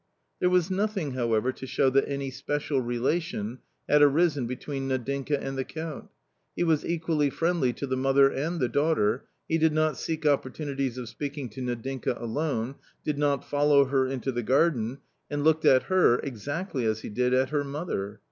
There was nothing, however, to show that any special relation had arisen between Nadinka and the Count. He was equally friendly to the mother and the daughter ; he did not seek opportunities of speaking to Nadinka alone, did not follow her into the garden, and looked at her exactly as he did at her mother.